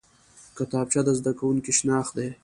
کتابچه د زده کوونکي شناخت دی